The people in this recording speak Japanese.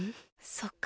そっか。